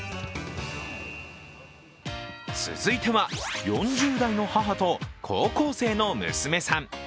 続いては、４０代の母と高校生の娘さん。